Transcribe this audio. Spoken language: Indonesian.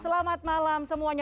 selamat malam semuanya